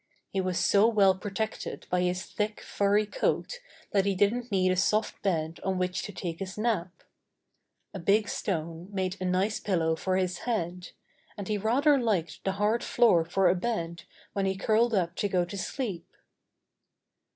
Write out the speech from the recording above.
He was so well protected by his 9 10 Buster the Bear thick, furry coat that he didn't need a soft bed on which to take his nap. A big stone made a nice pillow for his head, and he rather liked the hard floor for a bed when he curled up to go to sleep.